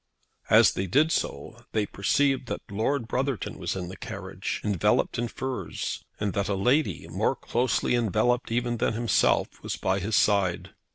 As they did so they perceived that Lord Brotherton was in the carriage, enveloped in furs, and that a lady, more closely enveloped even than himself, was by his side.